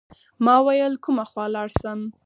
ما ویل کومه خوا لاړ شم.